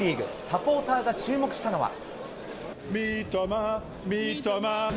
サポーターが注目したのは。